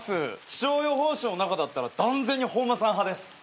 気象予報士の中だったら断然に本間さん派です。